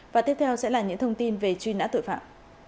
đây là những thông tin về truy nã tội phạm